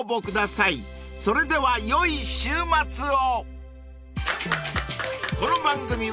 ［それではよい週末を］